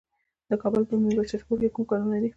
د کابل په میربچه کوټ کې کوم کانونه دي؟